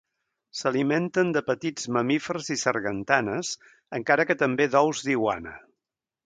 S'alimenten de petits mamífers i sargantanes, encara que també d'ous d'iguana.